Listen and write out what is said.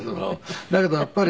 だけどやっぱり。